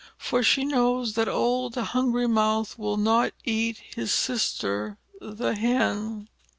For she knows that old Hungry Mouth will not eat his Sister, the Hen.